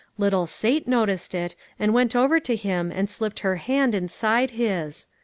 Little Sate noticed it, and went over to him and slipped her hand inside his.